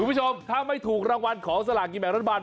คุณผู้ชมถ้าไม่ถูกรางวัลของสลากกินแบ่งรัฐบาล